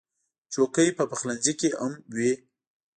چوکۍ په پخلنځي کې هم وي.